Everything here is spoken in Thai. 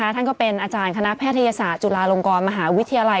ท่านก็เป็นอาจารย์คณะแพทยศาสตร์จุฬาลงกรมหาวิทยาลัย